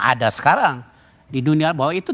ada sekarang di dunia bahwa itu